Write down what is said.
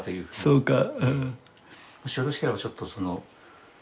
そうか。